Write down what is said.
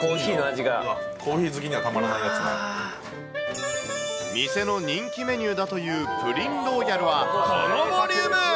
コーヒー好きにはたまらない店の人気メニューだというプリンローヤルは、このボリューム。